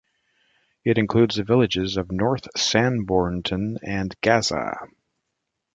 It includes the villages of North Sanbornton and Gaza.